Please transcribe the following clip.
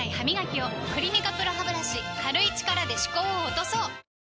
「クリニカＰＲＯハブラシ」軽い力で歯垢を落とそう！